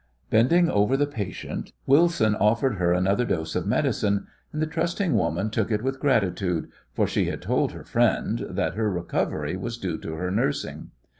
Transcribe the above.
Bending over the patient, Wilson offered her another dose of medicine, and the trusting woman took it with gratitude, for she had told her "friend" that her recovery was due to her nursing.